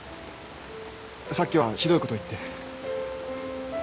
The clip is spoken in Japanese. さっきはひどいことを言って。